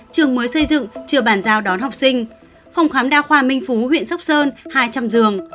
trường mới xây dựng chưa bàn giao đón học sinh phòng khám đa khoa minh phú huyện sóc sơn hai trăm linh giường